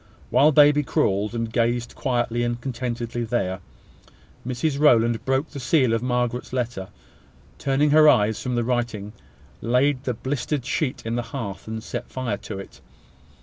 While baby crawled, and gazed quietly and contentedly there, Mrs Rowland broke the seal of Margaret's letter, turning her eyes from the writing, laid the blistered sheet in the hearth, and set fire to it.